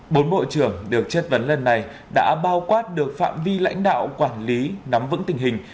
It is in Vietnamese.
bốn bộ trưởng đều chất vấn lần này đã bao quát được phạm vi lãnh đạo quản lý nắm vững tình hình